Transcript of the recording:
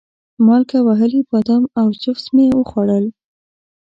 مالګه وهلي بادام او چپس مې وخوړل.